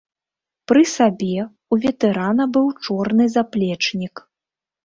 Пры сабе ў ветэрана быў чорны заплечнік.